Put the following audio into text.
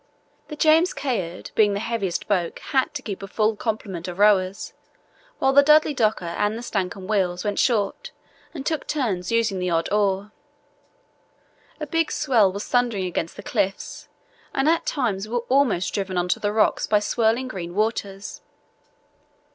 The James Caird, being the heaviest boat, had to keep a full complement of rowers, while the Dudley Docker and the Stancomb Wills went short and took turns using the odd oar. A big swell was thundering against the cliffs and at times we were almost driven on to the rocks by swirling green waters.